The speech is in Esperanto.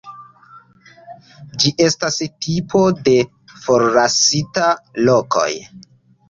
Ĝi estas tipo de forlasita lokoj.